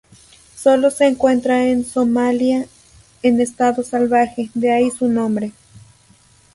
Sólo se encuentra en Somalia en estado salvaje, de ahí su nombre.